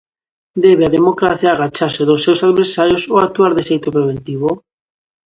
Debe a democracia agacharse dos seus adversarios, ou actuar de xeito preventivo?